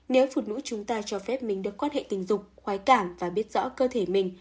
nếu phụ nữ chúng ta cho phép mình được quan hệ tình dục khoái cảm và biết rõ cơ thể mình